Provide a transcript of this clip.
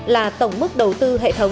là tổng mức đầu tư hệ thống